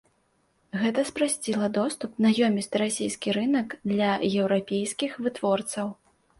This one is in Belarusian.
Гэта спрасціла доступ на ёмісты расійскі рынак для еўрапейскіх вытворцаў.